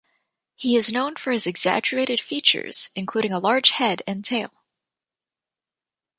He is known for his exaggerated features, including a large head and tail.